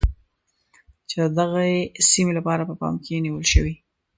چې د دغې سیمې لپاره په پام کې نیول شوی.